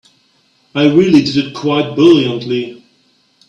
I really did it quite brilliantly.